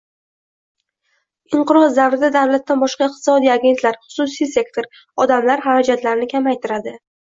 Inqiroz davrida davlatdan boshqa iqtisodiy agentlar - xususiy sektor, odamlar xarajatlarni kamaytiradi